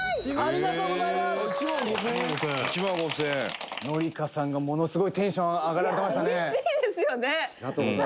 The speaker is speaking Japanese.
「紀香さんがものすごいテンション上がられてましたね」